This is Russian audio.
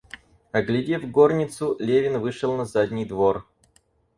Оглядев горницу, Левин вышел на задний двор.